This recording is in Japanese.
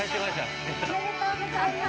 おめでとうございます。